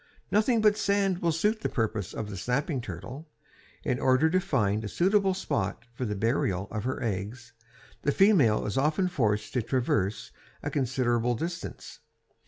Nothing but sand will suit the purpose of the snapping turtle. In order to find a suitable spot for the burial of her eggs, the female is often forced to traverse a considerable distance.